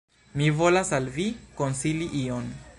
Mi volas al Vi konsili ion!